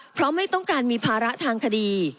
เพราะไม่ต้องการมีภาระทางคดี